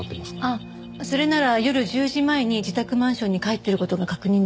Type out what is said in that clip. あっそれなら夜１０時前に自宅マンションに帰ってる事が確認できた。